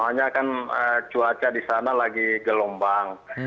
soalnya kan cuaca di sana lagi gelombang